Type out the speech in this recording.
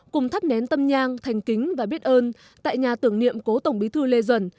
cùng thắp nén tâm nhang thành kính và biết ơn tại nhà tưởng niệm cố tổng bí thư lê duẩn